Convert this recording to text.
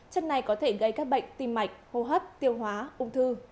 chất này có thể gây các bệnh tim mạch hô hấp tiêu hóa ung thư